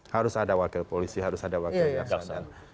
harus ada wakil polisi harus ada wakil jaksa